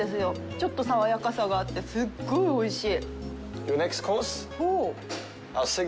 ちょっと爽やかさがあってすっごいおいしい。